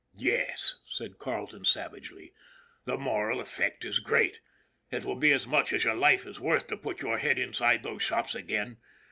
" Yes," said Carleton savagely, " the moral effect is great! It will be as much as your life is worth to put your head inside those shops again.